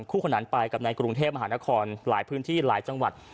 ขนานไปกับในกรุงเทพมหานครหลายพื้นที่หลายจังหวัด